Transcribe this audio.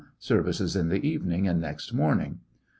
Services in the evening and next morning.